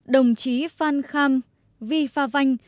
đồng chí phan kham vi pha vanh